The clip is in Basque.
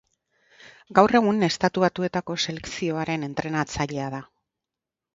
Gaur egun Estatu batuetako selekzioaren entrenatzailea da.